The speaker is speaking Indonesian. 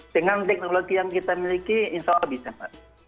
dengan teknologi yang kita miliki insya allah bisa pak